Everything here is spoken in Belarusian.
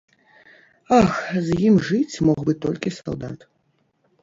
Ах, з ім жыць мог бы толькі салдат.